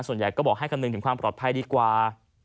ส่วนใหญ่ก็บอกให้คำนึงถึงความปลอดภัยดีกว่า